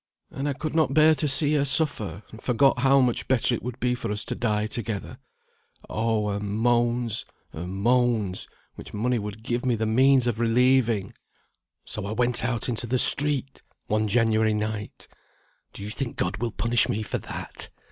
And I could not bear to see her suffer, and forgot how much better it would be for us to die together; oh her moans, her moans, which money would give me the means of relieving! So I went out into the street, one January night Do you think God will punish me for that?"